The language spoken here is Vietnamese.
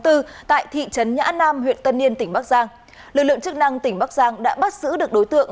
tại thị trấn nhã nam huyện tân yên tỉnh bắc giang lực lượng chức năng tỉnh bắc giang đã bắt giữ được đối tượng